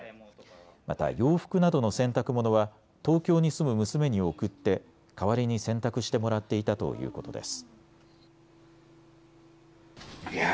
また洋服などの洗濯物は東京に住む娘に送って代わりに洗濯してもらっていたということです。